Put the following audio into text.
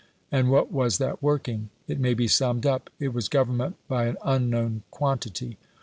And what was that working? It may be summed up it was government by an UNKNOWN QUANTITY.